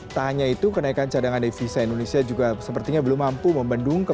tak hanya itu kenaikan cadangan devisa indonesia juga sepertinya belum mampu membendung